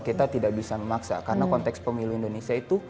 kita tidak bisa memaksa karena konteks pemilu indonesia itu